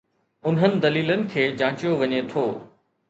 انهن دليلن کي جانچيو وڃي ٿو.